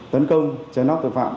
tấn công trên nóc tội phạm